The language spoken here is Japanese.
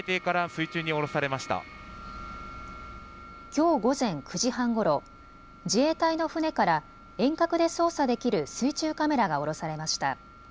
きょう午前９時半ごろ自衛隊の船から遠隔で操作できる水中カメラが下ろされました。